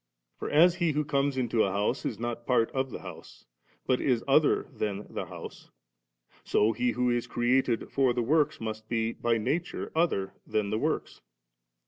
For as he who comes into a house, is not part of the house, but is other than the house, so He who is created for the works, must be hj nature other than the works.